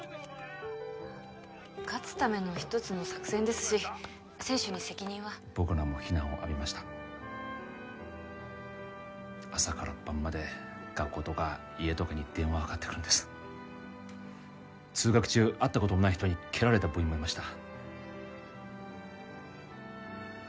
勝つための一つの作戦ですし選手に責任は僕らも非難を浴びました朝から晩まで学校とか家とかに電話がかかってくるんです通学中会ったこともない人に蹴られた部員もいました